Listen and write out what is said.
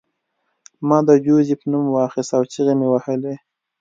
ما د جوزف نوم واخیست او چیغې مې وهلې